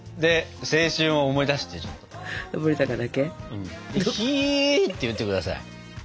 でひーって言って下さい。